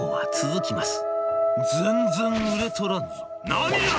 「全然売れとらんぞ。